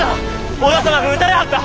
織田様が討たれはった！